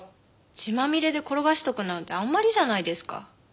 血まみれで転がしておくなんてあんまりじゃないですか。